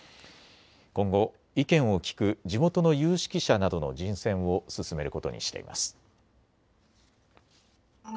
今後意見を聞く地元の有識者などの人選を進めることにしています。